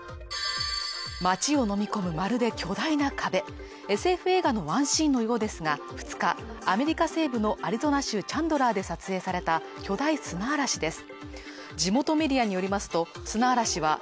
町をのみ込むまるで巨大な壁ＳＦ映画のワンシーンのようですが２日アメリカ西部のアリゾナ州チャンドラーで撮影された巨大砂嵐です